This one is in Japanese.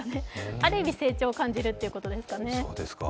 ある意味、成長を感じるということですかね。